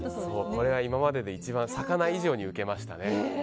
これは今までで一番魚以上にウケましたね。